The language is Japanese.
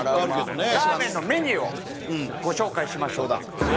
ラーメンのメニューをご紹介しましょう。